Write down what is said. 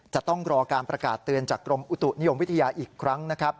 จะต้องรอการประกาศเตือนจากกรมอุตุนิยมวิทยาอีกครั้งนะครับ